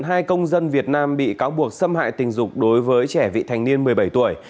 hai công dân việt nam bị cáo buộc xâm hại tình dục đối với trẻ vị thành niên một mươi bảy tuổi